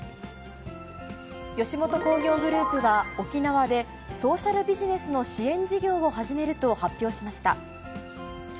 吉本興業グループは、沖縄で、ソーシャルビジネスの支援事業を始めると発表しました。